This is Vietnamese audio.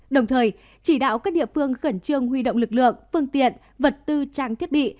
đồng thời chỉ đạo các địa phương khẩn trương huy động lực lượng phương tiện vật tư trang thiết bị